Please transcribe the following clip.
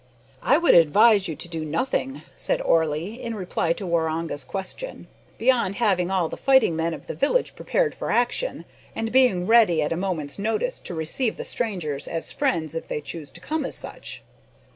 "I would advise you to do nothing," said Orley, in reply to Waroonga's question, "beyond having all the fighting men of the village prepared for action, and being ready at a moment's notice to receive the strangers as friends if they choose to come as such."